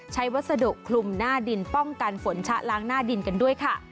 วัสดุคลุมหน้าดินป้องกันฝนชะล้างหน้าดินกันด้วยค่ะ